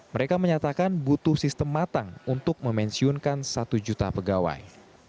mereka menyatakan butuh sistem matang untuk memensiunkan satu juta pegawai